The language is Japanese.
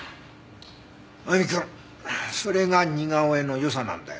亜美くんそれが似顔絵の良さなんだよ。